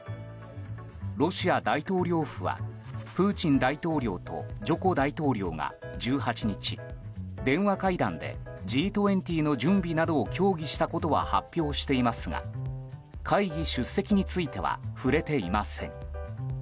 ロシア大統領府はプーチン大統領とジョコ大統領が１８日、電話会談でＧ２０の準備などを協議したことは発表していますが会議出席については触れていません。